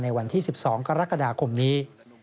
วันที่๑๒กรกฎาคมนี้